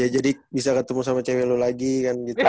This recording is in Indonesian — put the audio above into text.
ya jadi bisa ketemu sama cewe lu lagi kan gitu